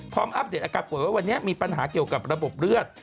อัปเดตอาการป่วยว่าวันนี้มีปัญหาเกี่ยวกับระบบเลือด